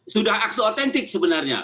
sudah akte autentik sebenarnya